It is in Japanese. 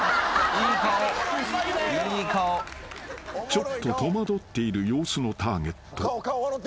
［ちょっと戸惑っている様子のターゲット］